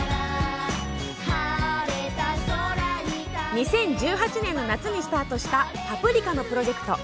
２０１８年の夏にスタートした「パプリカ」のプロジェクト。